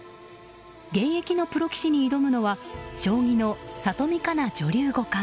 現役のプロ棋士に挑むのは将棋の里見香奈女流五冠。